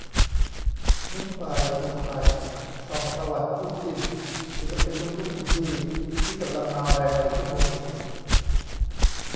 นุ๊กปาย คือใคร ส่องประวัติคู่จิ้น ศิลปินลูกทุ่งอินดี้ที่กำลังมาแรงในชั่วโมงนี้